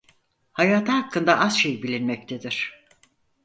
Hayatı hakkında az şey bilinmektedir.